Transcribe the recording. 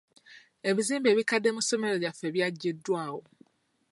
Ebizimbe ebikadde mu ssomero lyaffe byaggyiddwawo.